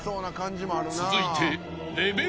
［続いて］